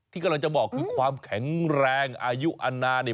ที่กำลังจะบอกคือความแข็งแรงอายุอันนาเนี่ย